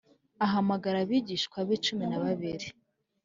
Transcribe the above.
Ahamagara abigishwa be cumi na babiri